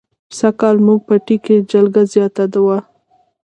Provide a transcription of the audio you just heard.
سږ کال زموږ پټي کې جلگه زیاته وه.